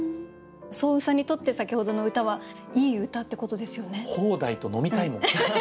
双雲さんにとって先ほどの歌はいい歌ってことですよね？